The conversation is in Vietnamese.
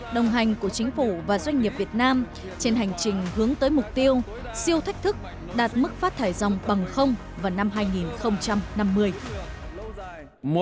đồng hành của chính phủ và doanh nghiệp việt nam trên hành trình hướng tới mục tiêu siêu thách thức đạt mức phát thải dòng bằng không vào năm hai nghìn năm mươi